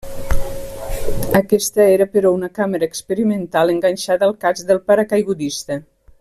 Aquesta era però una càmera experimental enganxada al casc del paracaigudista.